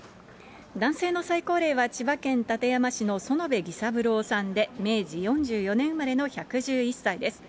男性の最高齢は千葉県館山市の、薗部ぎさぶろうさんで明治４４年生まれの１１１歳です。